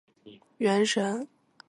原神